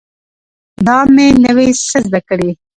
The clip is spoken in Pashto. دا مې نوي څه زده کړي